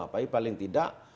tapi paling tidak